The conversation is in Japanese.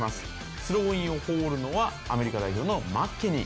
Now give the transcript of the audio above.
スローインを放るのはアメリカ代表のマッケニー。